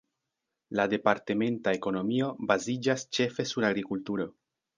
La departementa ekonomio baziĝas ĉefe sur agrikulturo.